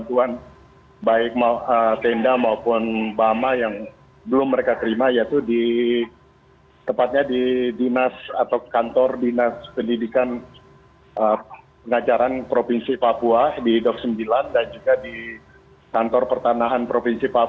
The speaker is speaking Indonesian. untuk para pengusaha